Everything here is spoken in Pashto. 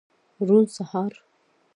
روڼ سهار